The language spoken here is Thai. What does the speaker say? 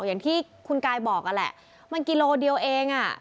อย่างที่คุณกายบอกนั่นแหละมันกิโลเดียวเองอ่ะ